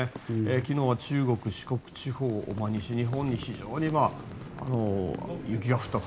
昨日は中国・四国地方西日本に非常に雪が降ったと。